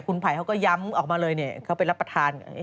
คุณไผ่เขาก็ย้ำออกมาเลยเขาไปรับประทาน